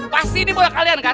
pasti ini bola kalian kan